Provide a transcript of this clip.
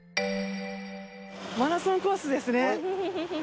マラソンコースですね。